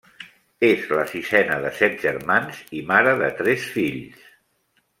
És la sisena de set germans i mare de tres fills.